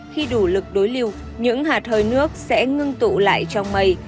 khi đủ lực đối lưu những hạt hơi nước sẽ ngưng tụ lại trong mây